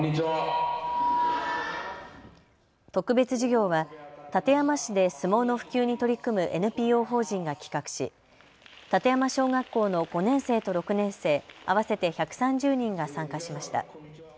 特別授業は館山市で相撲の普及に取り組むＮＰＯ法人が企画し館山小学校の５年生と６年生、合わせて１３０人が参加しました。